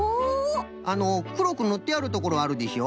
あのくろくぬってあるところあるでしょ？